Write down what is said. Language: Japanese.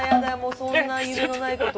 そんな夢のないこと。